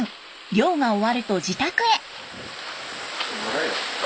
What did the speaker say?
漁が終わると自宅へ。